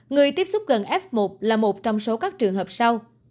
người tiếp xúc gần f một là một trong số các trường hợp sau